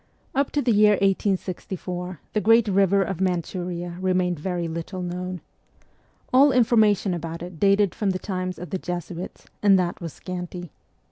Up to the year 1864 the great river of Manchuria remained very little known. All information about it dated from the times of the Jesuits, and that was scanty.